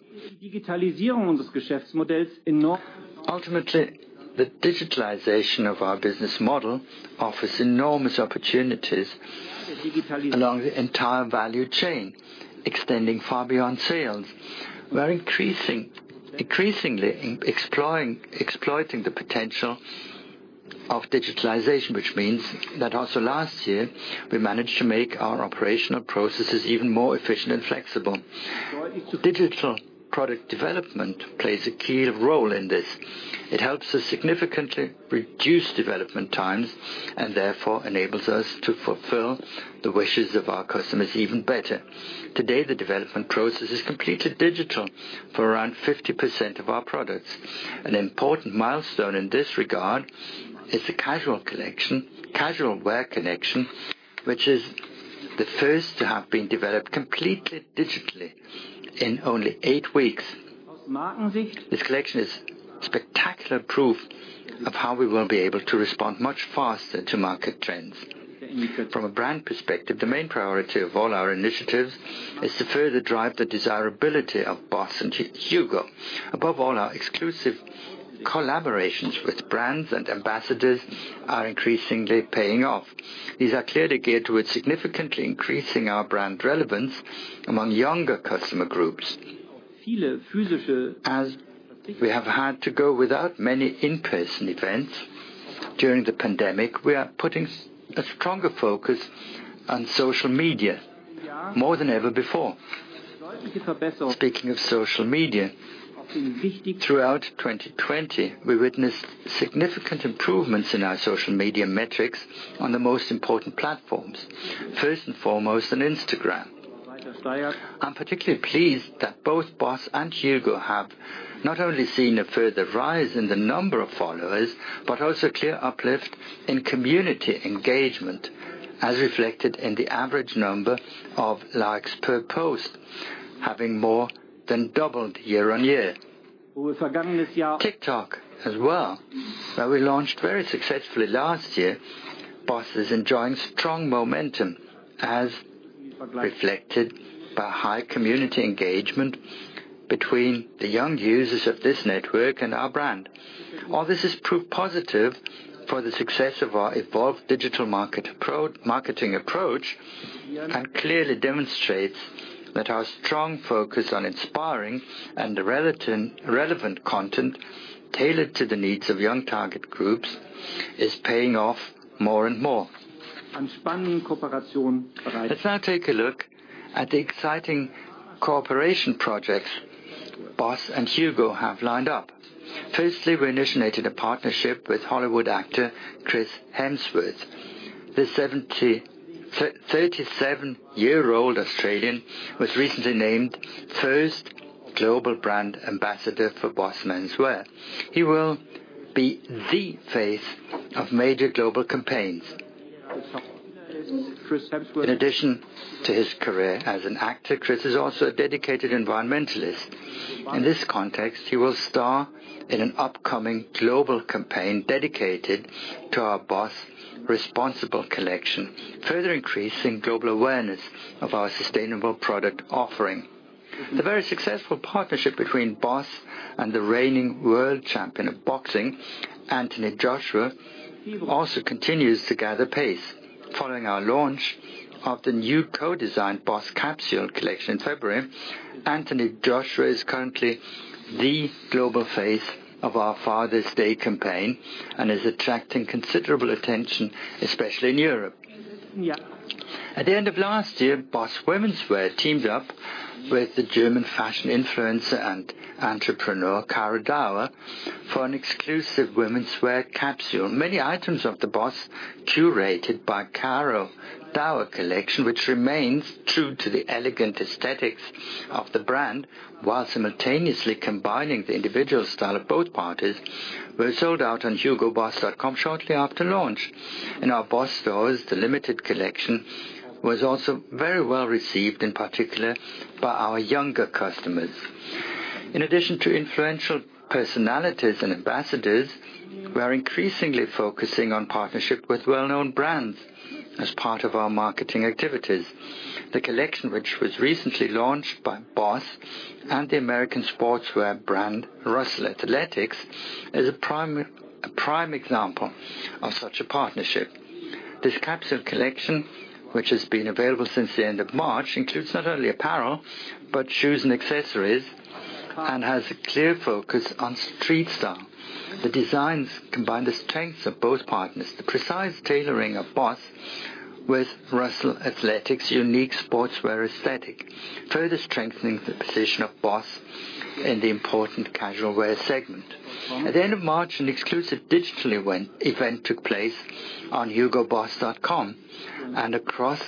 Ultimately, the digitalization of our business model offers enormous opportunities along the entire value chain, extending far beyond sales. We're increasingly exploiting the potential of digitalization, which means that also last year, we managed to make our operational processes even more efficient and flexible. Digital product development plays a key role in this. It helps us significantly reduce development times and therefore enables us to fulfill the wishes of our customers even better. Today, the development process is completely digital for around 50% of our products. An important milestone in this regard is the casual wear collection, which is the first to have been developed completely digitally in only eight weeks. This collection is spectacular proof of how we will be able to respond much faster to market trends. From a brand perspective, the main priority of all our initiatives is to further drive the desirability of BOSS and HUGO. Above all, our exclusive collaborations with brands and ambassadors are increasingly paying off. These are clearly geared toward significantly increasing our brand relevance among younger customer groups. As we have had to go without many in-person events during the pandemic, we are putting a stronger focus on social media, more than ever before. Speaking of social media, throughout 2020, we witnessed significant improvements in our social media metrics on the most important platforms, first and foremost on Instagram. I'm particularly pleased that both BOSS and HUGO have not only seen a further rise in the number of followers, but also clear uplift in community engagement as reflected in the average number of likes per post, having more than doubled year-on-year. TikTok as well, where we launched very successfully last year. BOSS is enjoying strong momentum, as reflected by high community engagement between the young users of this network and our brand. All this has proved positive for the success of our evolved digital marketing approach, clearly demonstrates that our strong focus on inspiring and relevant content tailored to the needs of young target groups is paying off more and more. Let's now take a look at the exciting cooperation projects BOSS and HUGO have lined up. Firstly, we initiated a partnership with Hollywood actor Chris Hemsworth. The 37-year-old Australian was recently named first global brand ambassador for BOSS Menswear. He will be the face of major global campaigns. In addition to his career as an actor, Chris is also a dedicated environmentalist. In this context, he will star in an upcoming global campaign dedicated to our BOSS Responsible Collection, further increasing global awareness of our sustainable product offering. The very successful partnership between BOSS and the reigning world champion of boxing, Anthony Joshua, also continues to gather pace. Following our launch of the new co-designed BOSS capsule collection in February, Anthony Joshua is currently the global face of our Father's Day campaign and is attracting considerable attention, especially in Europe. At the end of last year, BOSS Womenswear teamed up with the German fashion influencer and entrepreneur Caro Daur for an exclusive womenswear capsule. Many items of the BOSS curated by Caro Daur collection, which remains true to the elegant aesthetics of the brand, while simultaneously combining the individual style of both parties, were sold out on hugoboss.com shortly after launch. In our BOSS stores, the limited collection was also very well-received, in particular by our younger customers. In addition to influential personalities and ambassadors, we are increasingly focusing on partnership with well-known brands as part of our marketing activities. The collection, which was recently launched by BOSS and the American sportswear brand Russell Athletic, is a prime example of such a partnership. This capsule collection, which has been available since the end of March, includes not only apparel, but shoes and accessories, and has a clear focus on street style. The designs combine the strengths of both partners, the precise tailoring of BOSS with Russell Athletic unique sportswear aesthetic, further strengthening the position of BOSS in the important casual wear segment. At the end of March, an exclusive digital event took place on hugoboss.com and across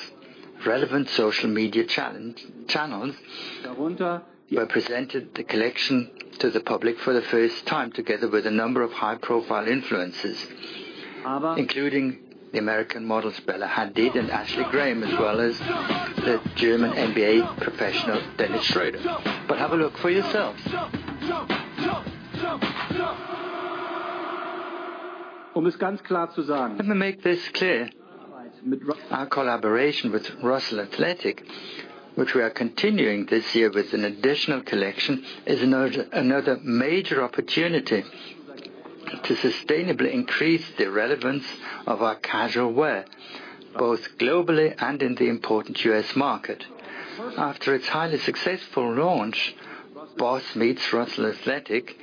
relevant social media channels. We presented the collection to the public for the first time, together with a number of high-profile influencers, including the American models Bella Hadid and Ashley Graham, as well as the German NBA professional Dennis Schröder. Have a look for yourself. Let me make this clear. Our collaboration with Russell Athletic, which we are continuing this year with an additional collection, is another major opportunity to sustainably increase the relevance of our casual wear, both globally and in the important U.S. market. After its highly successful launch, BOSS meets Russell Athletic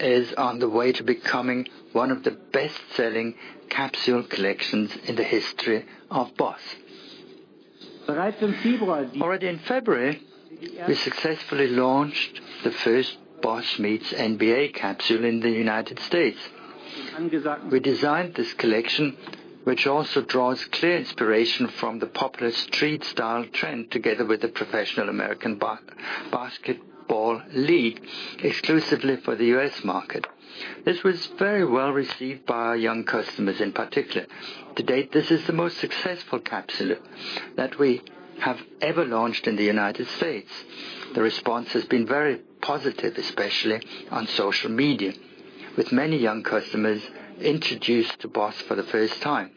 is on the way to becoming one of the best-selling capsule collections in the history of BOSS. Already in February, we successfully launched the first BOSS meets NBA capsule in the United States. We designed this collection, which also draws clear inspiration from the popular street style trend, together with the professional American Basketball League, exclusively for the U.S. market. This was very well-received by our young customers, in particular. To date, this is the most successful capsule that we have ever launched in the United States. The response has been very positive, especially on social media, with many young customers introduced to BOSS for the first time.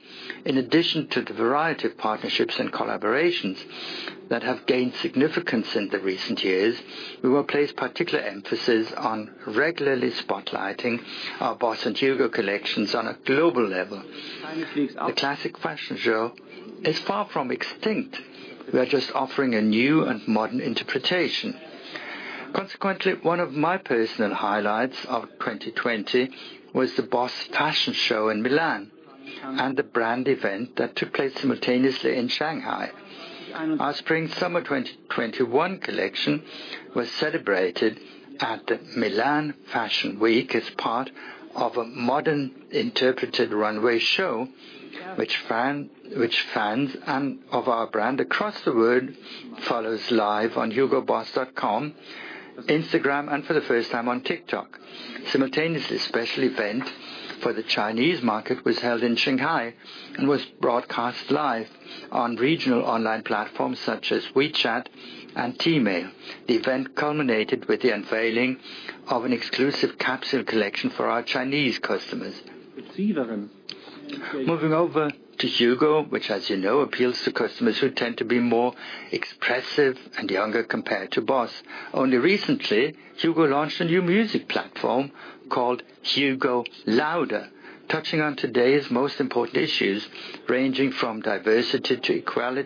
In addition to the variety of partnerships and collaborations that have gained significance in the recent years, we will place particular emphasis on regularly spotlighting our BOSS and HUGO collections on a global level. The classic fashion show is far from extinct. We are just offering a new and modern interpretation. Consequently, one of my personal highlights of 2020 was the BOSS fashion show in Milan and the brand event that took place simultaneously in Shanghai. Our spring-summer 2021 collection was celebrated at the Milan Fashion Week as part of a modern interpreted runway show, which fans of our brand across the world followed live on hugoboss.com, Instagram, and for the first time on TikTok. Simultaneously, a special event for the Chinese market was held in Shanghai and was broadcast live on regional online platforms such as WeChat and Tmall. The event culminated with the unveiling of an exclusive capsule collection for our Chinese customers. Moving over to HUGO, which as you know appeals to customers who tend to be more expressive and younger compared to BOSS. Only recently, HUGO launched a new music platform called HUGO Louder, touching on today's most important issues, ranging from diversity to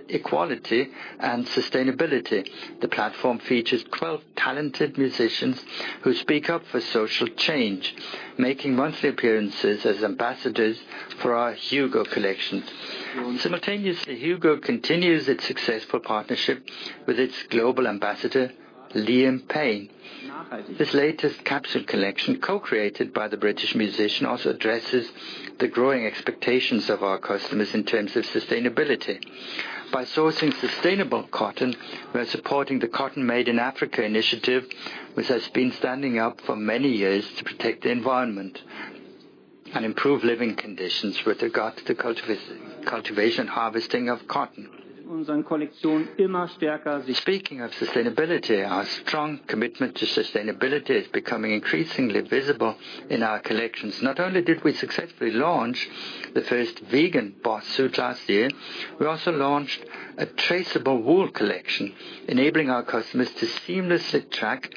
equality and sustainability. The platform features 12 talented musicians who speak up for social change, making monthly appearances as ambassadors for our HUGO collection. Simultaneously, HUGO continues its successful partnership with its global ambassador, Liam Payne. This latest capsule collection, co-created by the British musician, also addresses the growing expectations of our customers in terms of sustainability. By sourcing sustainable cotton, we are supporting the Cotton made in Africa initiative, which has been standing up for many years to protect the environment and improve living conditions with regard to the cultivation and harvesting of cotton. Speaking of sustainability, our strong commitment to sustainability is becoming increasingly visible in our collections. Not only did we successfully launch the first vegan BOSS suit last year, we also launched a traceable wool collection, enabling our customers to seamlessly track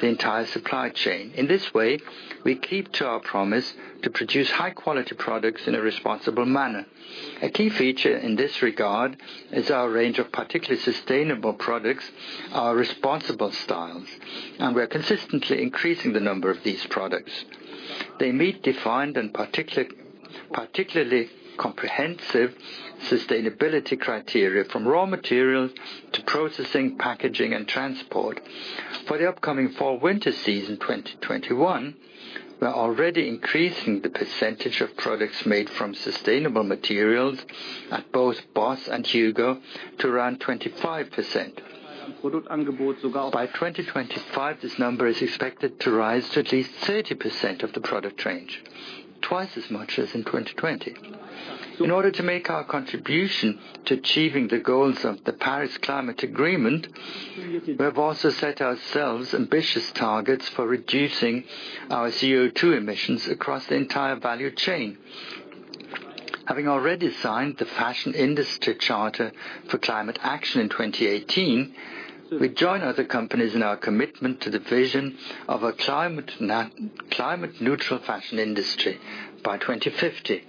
the entire supply chain. In this way, we keep to our promise to produce high-quality products in a responsible manner. A key feature in this regard is our range of particularly sustainable products, our responsible styles, and we are consistently increasing the number of these products. They meet defined and particularly comprehensive sustainability criteria from raw materials to processing, packaging, and transport. For the upcoming fall-winter season 2021, we are already increasing the percentage of products made from sustainable materials at both BOSS and HUGO to around 25%. By 2025, this number is expected to rise to at least 30% of the product range, twice as much as in 2020. In order to make our contribution to achieving the goals of the Paris Agreement, we have also set ourselves ambitious targets for reducing our CO2 emissions across the entire value chain. Having already signed the Fashion Industry Charter for Climate Action in 2018, we join other companies in our commitment to the vision of a climate-neutral fashion industry by 2050.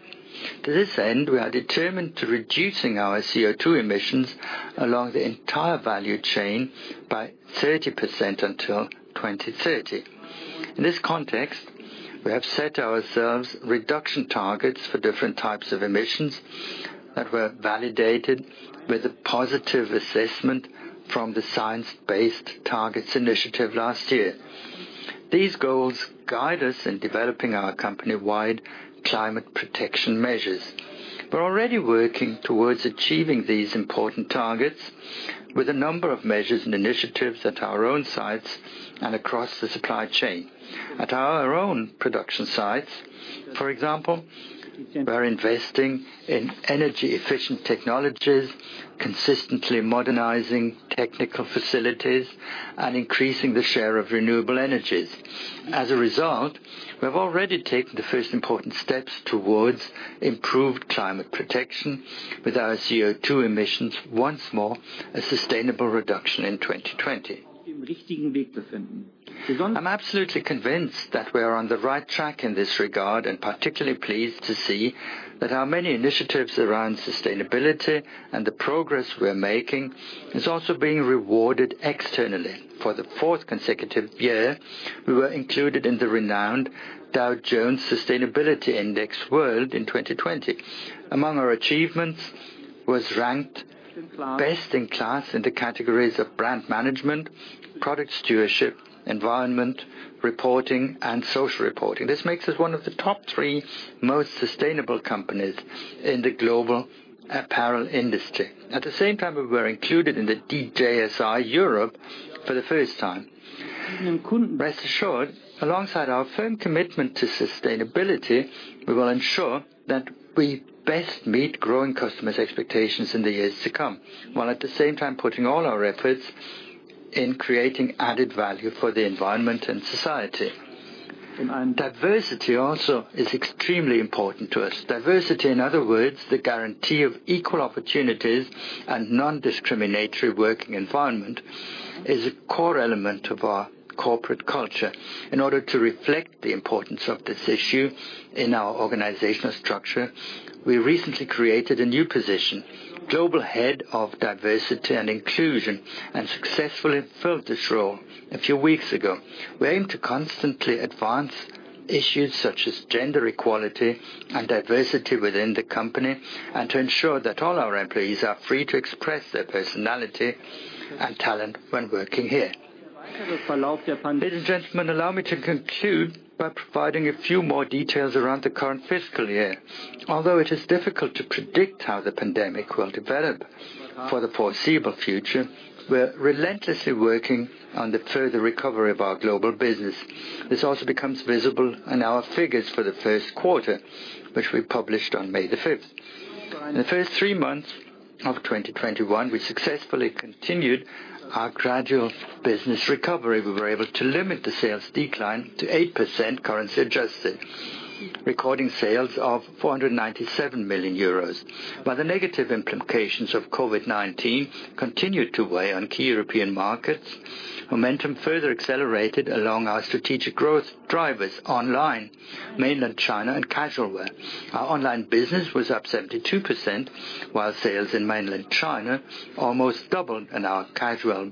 To this end, we are determined to reducing our CO2 emissions along the entire value chain by 30% until 2030. In this context, we have set ourselves reduction targets for different types of emissions that were validated with a positive assessment from the Science Based Targets initiative last year. These goals guide us in developing our company-wide climate protection measures. We are already working towards achieving these important targets with a number of measures and initiatives at our own sites and across the supply chain. At our own production sites, for example, we are investing in energy-efficient technologies, consistently modernizing technical facilities, and increasing the share of renewable energies. As a result, we have already taken the first important steps towards improved climate protection with our CO2 emissions, once more, a sustainable reduction in 2020. I'm absolutely convinced that we are on the right track in this regard and particularly pleased to see that our many initiatives around sustainability and the progress we are making is also being rewarded externally. For the fourth consecutive year, we were included in the renowned Dow Jones Sustainability Index World in 2020. Among our achievements, was ranked best in class in the categories of brand management, product stewardship, environment reporting, and social reporting. This makes us one of the top three most sustainable companies in the global apparel industry. At the same time, we were included in the DJSI Europe for the first time. Rest assured, alongside our firm commitment to sustainability, we will ensure that we best meet growing customers' expectations in the years to come, while at the same time putting all our efforts in creating added value for the environment and society. Diversity also is extremely important to us. Diversity, in other words, the guarantee of equal opportunities and non-discriminatory working environment, is a core element of our corporate culture. In order to reflect the importance of this issue in our organizational structure, we recently created a new position, Global Head of Diversity and Inclusion, and successfully filled this role a few weeks ago. We aim to constantly advance issues such as gender equality and diversity within the company, and to ensure that all our employees are free to express their personality and talent when working here. Ladies and gentlemen, allow me to conclude by providing a few more details around the current fiscal year. Although it is difficult to predict how the pandemic will develop for the foreseeable future, we're relentlessly working on the further recovery of our global business. This also becomes visible in our figures for the first quarter, which we published on May the 5th. In the first three months of 2021, we successfully continued our gradual business recovery. We were able to limit the sales decline to 8%, currency adjusted, recording sales of 497 million euros. While the negative implications of COVID-19 continued to weigh on key European markets, momentum further accelerated along our strategic growth drivers online, Mainland China, and casual wear. Our online business was up 72%, while sales in Mainland China almost doubled, and our casual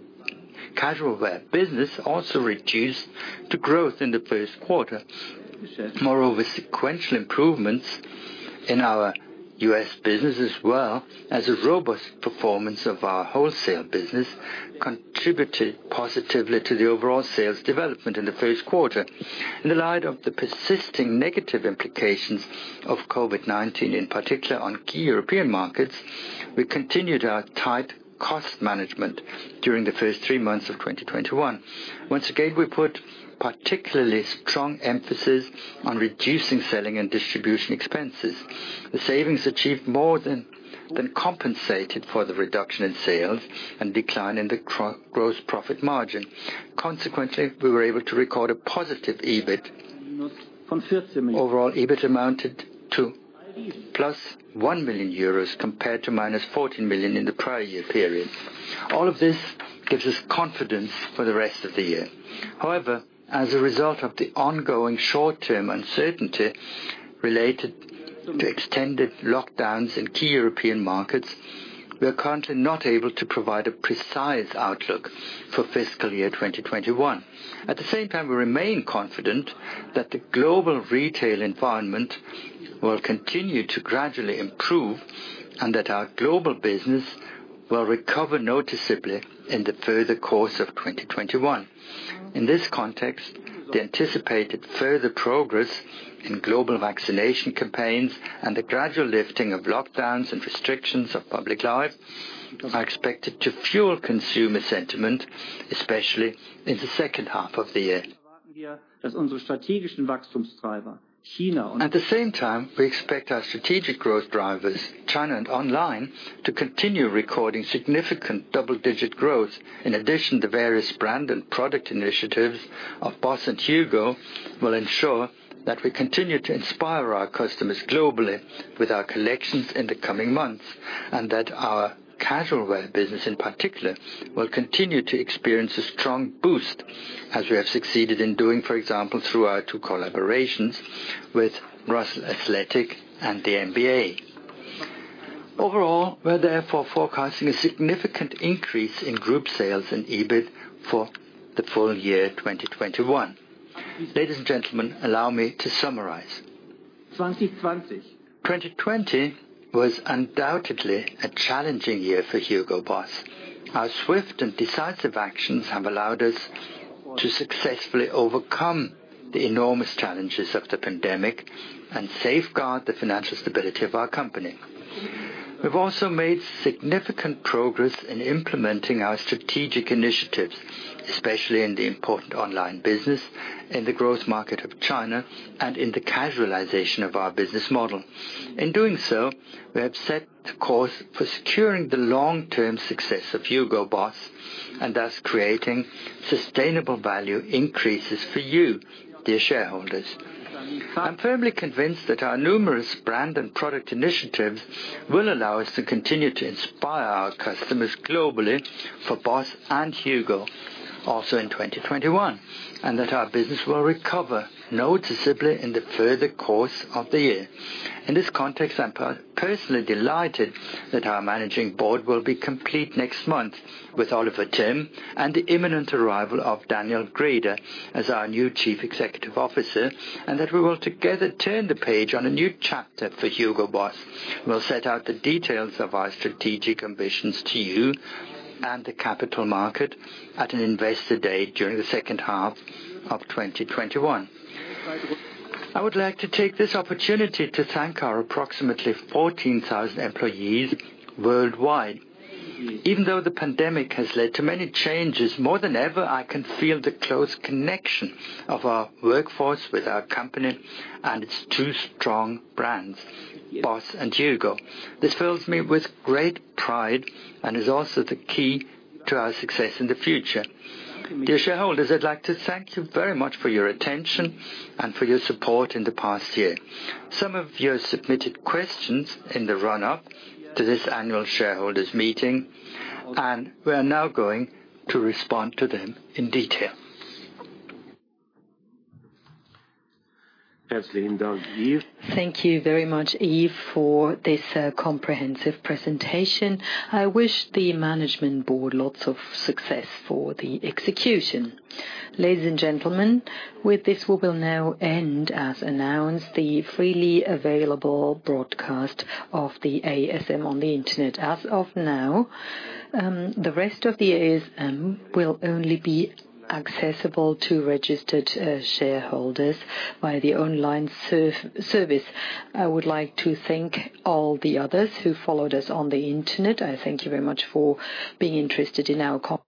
wear business also reduced the growth in the first quarter. Moreover, sequential improvements in our U.S. business as well as a robust performance of our wholesale business contributed positively to the overall sales development in the first quarter. In the light of the persisting negative implications of COVID-19, in particular on key European markets, we continued our tight cost management during the first three months of 2021. Once again, we put particularly strong emphasis on reducing selling and distribution expenses. The savings achieved more than compensated for the reduction in sales and decline in the gross profit margin. We were able to record a positive EBIT. Overall EBIT amounted to plus 1 million euros compared to minus 14 million in the prior year period. All of this gives us confidence for the rest of the year. As a result of the ongoing short-term uncertainty related to extended lockdowns in key European markets, we are currently not able to provide a precise outlook for fiscal year 2021. We remain confident that the global retail environment will continue to gradually improve and that our global business will recover noticeably in the further course of 2021. In this context, the anticipated further progress in global vaccination campaigns and the gradual lifting of lockdowns and restrictions of public life are expected to fuel consumer sentiment, especially in the second half of the year. At the same time, we expect our strategic growth drivers, China and online, to continue recording significant double-digit growth. In addition, the various brand and product initiatives of BOSS and HUGO will ensure that we continue to inspire our customers globally with our collections in the coming months, and that our casual wear business in particular, will continue to experience a strong boost as we have succeeded in doing, for example, through our two collaborations with Russell Athletic and the NBA. Overall, we are therefore forecasting a significant increase in group sales and EBIT for the full year 2021. Ladies and gentlemen, allow me to summarize. 2020 was undoubtedly a challenging year for HUGO BOSS. Our swift and decisive actions have allowed us to successfully overcome the enormous challenges of the pandemic and safeguard the financial stability of our company. We've also made significant progress in implementing our strategic initiatives, especially in the important online business, in the growth market of China, and in the casualization of our business model. In doing so, we have set course for securing the long-term success of HUGO BOSS and thus creating sustainable value increases for you, dear shareholders. I'm firmly convinced that our numerous brand and product initiatives will allow us to continue to inspire our customers globally for BOSS and HUGO also in 2021, and that our business will recover noticeably in the further course of the year. In this context, I'm personally delighted that our managing board will be complete next month with Oliver Timm and the imminent arrival of Daniel Grieder as our new Chief Executive Officer, and that we will together turn the page on a new chapter for HUGO BOSS. We'll set out the details of our strategic ambitions to you and the capital market at an investor day during the second half of 2021. I would like to take this opportunity to thank our approximately 14,000 employees worldwide. Even though the pandemic has led to many changes, more than ever I can feel the close connection of our workforce with our company and its two strong brands, BOSS and HUGO. This fills me with great pride and is also the key to our success in the future. Dear shareholders, I'd like to thank you very much for your attention and for your support in the past year. Some of you submitted questions in the run-up to this annual shareholders meeting. We are now going to respond to them in detail. Thank you very much, Yves, for this comprehensive presentation. I wish the management board lots of success for the execution. Ladies and gentlemen, with this, we will now end, as announced, the freely available broadcast of the ASM on the internet. As of now, the rest of the ASM will only be accessible to registered shareholders via the online service. I would like to thank all the others who followed us on the internet. I thank you very much for being interested in our company.